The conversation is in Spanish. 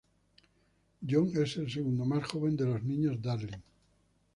John es el segundo más joven de los niños Darling.